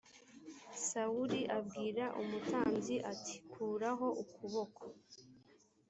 sawuli abwira umutambyi ati kuraho ukuboko